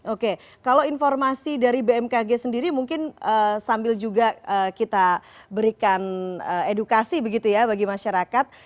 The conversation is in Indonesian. oke kalau informasi dari bmkg sendiri mungkin sambil juga kita berikan edukasi begitu ya bagi masyarakat